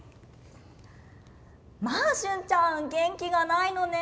まあ、伸ちゃん元気がないのね。